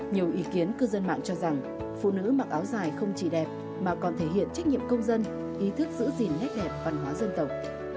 nhiều ý kiến cư dân mạng cho rằng phụ nữ mặc áo dài không chỉ đẹp mà còn thể hiện trách nhiệm công dân ý thức giữ gìn nét đẹp văn hóa dân tộc